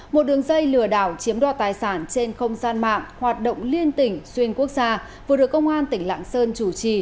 một đường dây lừa đảo chiếm đo tài sản trên không gian mạng hoạt động liên tỉnh xuyên quốc gia vừa được công an tỉnh lạng sơn chủ trì